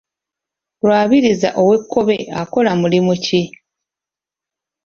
Lwabiriza ow’e Kkobe akola mulimu ki?